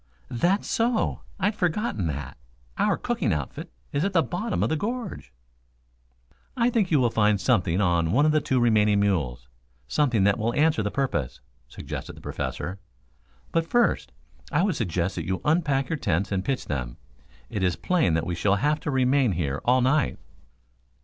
"That's so. I'd forgotten that. Our cooking outfit is at the bottom of the gorge." "I think you will find something on one of the two remaining mules something that will answer the purpose," suggested the Professor. "But first, I would suggest that you unpack your tents and pitch them. It is plain that we shall have to remain here all night."